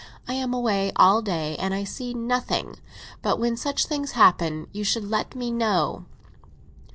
I am away all day, and I see nothing. But when such things happen, you should let me know."